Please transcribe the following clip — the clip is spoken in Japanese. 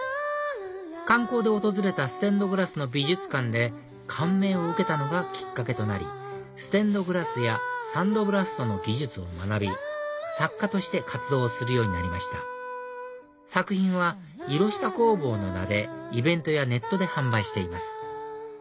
観光で訪れたステンドグラスの美術館で感銘を受けたのがきっかけとなりステンドグラスやサンドブラストの技術を学び作家として活動するようになりました作品はいろした工房の名でイベントやネットで販売しています